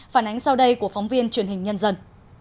phản ánh sau đây của phóng viên truyền hình nhân dân